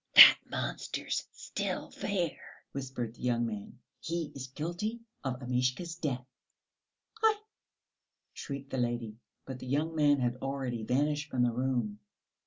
"That monster's still there," whispered the young man. "He is guilty of Amishka's death!" "Aïe!" shrieked the lady, but the young man had already vanished from the room.